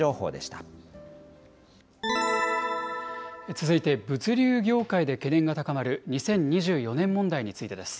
続いて、物流業界で懸念が高まる２０２４年問題についてです。